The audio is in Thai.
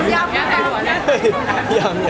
ปีหน้าอยู่มิตเปญไหมฮะ